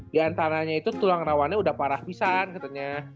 di antaranya itu tulang rawannya udah parah pisan katanya